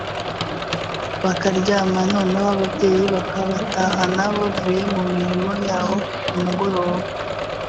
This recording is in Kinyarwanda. bakaryama noneho ababyeyi bakabatahana bavuye mu mirimo yabo ku mugoroba